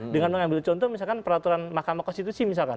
dengan mengambil contoh misalkan peraturan mahkamah konstitusi misalkan